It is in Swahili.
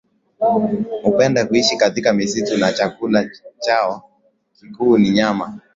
hupenda kuishi katika misitu na chakula chao kikuu ni nyama